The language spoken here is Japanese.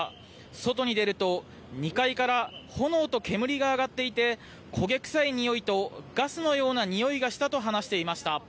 外に出ると、２階から炎と煙が上がっていて、焦げ臭いにおいと、ガスのようなにおいがしたと話していました。